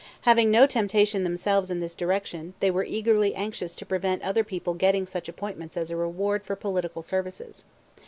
Having no temptation themselves in this direction, they were eagerly anxious to prevent other people getting such appointments as a reward for political services.